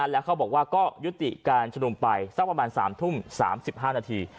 แล้วเขาบอกว่าก็ยุติการชุมนุมไปสักประมาณ๓ทุ่ม๓๕นาที